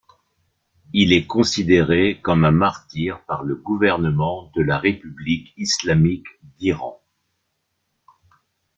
Il est considéré comme un martyr par le gouvernement de la République islamique d'Iran.